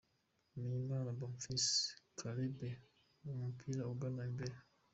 Bimenyimana Bonfils Khaleb ku mupira agana imbere .